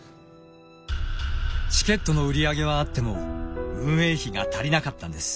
チケットの売り上げはあっても運営費が足りなかったんです。